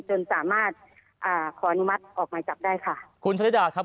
จนสามารถอ่าขออนุมัติออกหมายจับได้ค่ะคุณธนิดาครับ